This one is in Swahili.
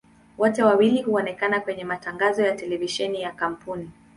Wote wawili huonekana kwenye matangazo ya televisheni ya kampuni.